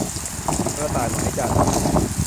กระต่ายหมายจันทร์